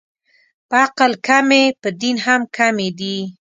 په عقل کمې، په دین هم کمې دي